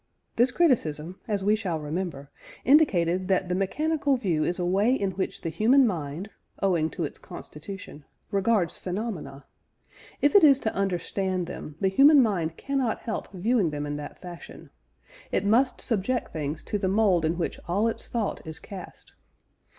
This criticism, as we shall remember, indicated that the mechanical view is a way in which the human mind owing to its constitution regards phenomena. If it is to understand them, the human mind cannot help viewing them in that fashion; it must subject things to the mould in which all its thought is cast.